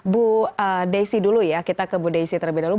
bu desi dulu ya kita ke bu desi terlebih dahulu